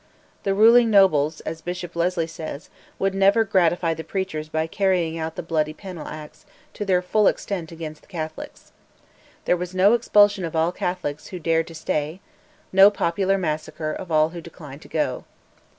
The ruling nobles, as Bishop Lesley says, would never gratify the preachers by carrying out the bloody penal Acts to their full extent against Catholics. There was no expulsion of all Catholics who dared to stay; no popular massacre of all who declined to go.